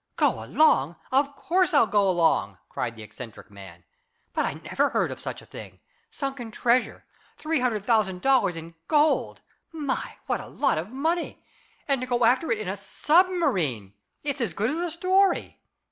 "Go along! Of course I'll go along!" cried the eccentric man. "But I never heard of such a thing. Sunken treasure! Three hundred thousand dollars in gold! My, what a lot of money! And to go after it in a submarine! It's as good as a story!"